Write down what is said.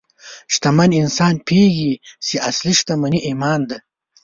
شتمن انسان پوهېږي چې اصلي شتمني ایمان دی.